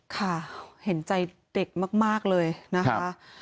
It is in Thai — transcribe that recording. ค่ะเห็นใจเด็กมากเลยนะคะ